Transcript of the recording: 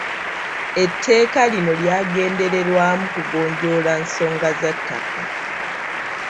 Etteeka lino lyagendererwamu kugonjoola nsonga za ttaka.